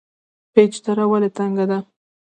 پیج دره ولې تنګه ده؟